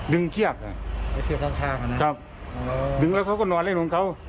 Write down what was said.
ดึงเชือกน่ะเชือกข้างน่ะครับอ๋อดึงแล้วเขาก็นอนแล้วน้องเขา